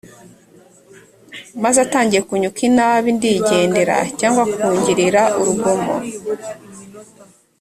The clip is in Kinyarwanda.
maze atangiye kunyuka inabi ndigendera.cyangwa kungirira urugomo